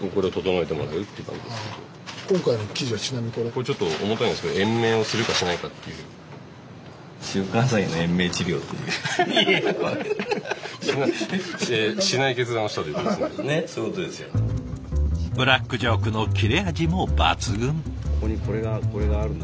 これちょっと重たいんですけどブラックジョークの切れ味も抜群。